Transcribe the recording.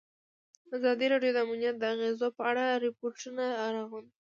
ازادي راډیو د امنیت د اغېزو په اړه ریپوټونه راغونډ کړي.